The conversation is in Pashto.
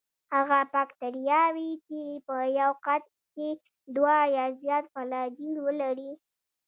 هغه باکتریاوې چې په یو قطب کې دوه یا زیات فلاجیل ولري.